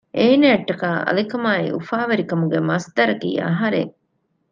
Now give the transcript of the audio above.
އޭނާއަށްޓަކައި އަލިކަމާއި އުފާވެރިކަމުގެ މަޞްދަރަކީ އަހަރެން